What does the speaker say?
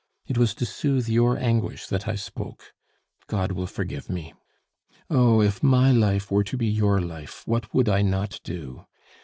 It was to soothe your anguish that I spoke. God will forgive me! "Oh! if my life were to be your life, what would I not do?